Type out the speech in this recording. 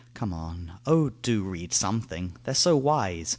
Come on; O do read something; they're so wise.